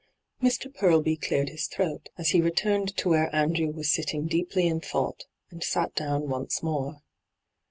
Mr. Purlby cleared his throat, as he re turned to where Andrew was sitting deeply in thought, and aat down once more.